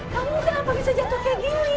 kamu kenapa bisa jatuh kayak gini